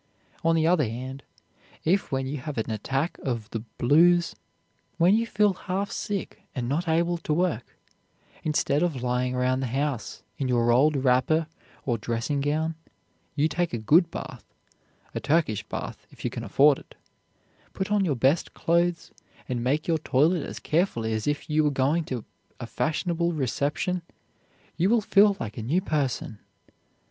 On the other hand, if, when you have an attack of the "blues," when you feel half sick and not able to work, instead of lying around the house in your old wrapper or dressing gown, you take a good bath, a Turkish bath, if you can afford it, put on your best clothes, and make your toilet as carefully as if you were going to a fashionable reception, you will feel like a new person.